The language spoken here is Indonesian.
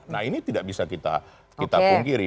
nah ini tidak bisa kita pungkiri